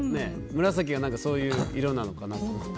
紫がそういう色なのかなと。